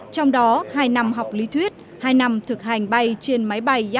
trong đó hai năm học lý thuyết hai năm thực hành bay trên máy bay yak năm mươi hai và l ba mươi chín